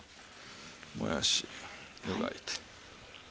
もやし湯がいてね。